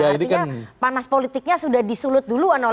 artinya panas politiknya sudah disulut dulu an oleh kib